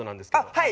はい。